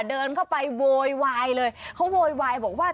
เดินเข้าไปโวยวายเลยเขาโวยวายบอกว่า